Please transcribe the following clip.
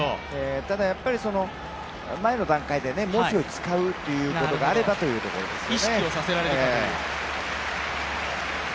ただ、前の段階でもし使うということがあればというところですね。